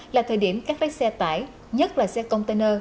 là thời điểm các lái xe tải nhất là xe container